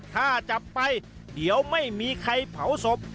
ถ้าจับไปเดี๋ยวไม่มีใครเผาศพ